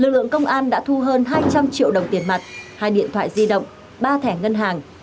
lực lượng công an đã thu hơn hai trăm linh triệu đồng tiền mặt hai điện thoại di động ba thẻ ngân hàng